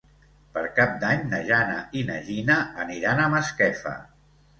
Per Cap d'Any na Jana i na Gina aniran a Masquefa.